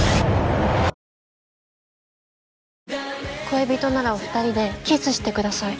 恋人ならお２人でキスしてください